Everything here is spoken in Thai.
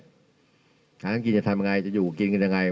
ถ้าต้องกินจะทำอย่างไรจะอยู่กับกินกันอย่างไร